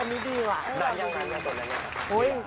อันนี้ดีหว่ะนี่เรามีได้ยังค่ะมีใครสดแล้วยัง